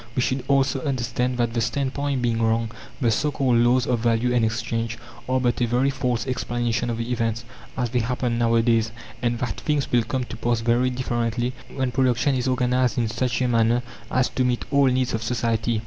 We should also understand that the standpoint being wrong, the so called "laws" of value and exchange are but a very false explanation of events, as they happen nowadays; and that things will come to pass very differently when production is organized in such a manner as to meet all needs of society.